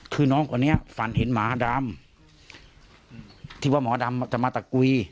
คือน้องคนนี้ฝันเห็นหมาดำที่ว่าหมอดำจะมาตะกุย